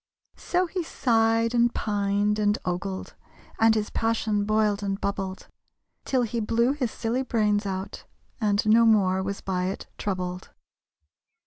So he sighed, and pined, and ogled, And his passion boiled, and bubbled, Till he blew his silly brains out, And no more was by it troubled.